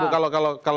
mengungkap tentang apa